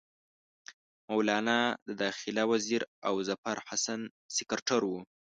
مولنا د داخله وزیر او ظفرحسن سکرټر وو.